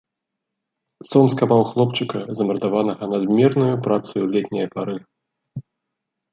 Сон скаваў хлопчыка, замардаванага надмернаю працаю летняе пары.